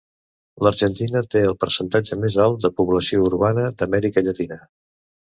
L'Argentina té el percentatge més alt de població urbana d'Amèrica Llatina.